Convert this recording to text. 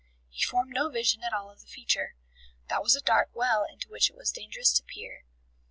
He formed no vision at all of the future: that was a dark well into which it was dangerous to peer.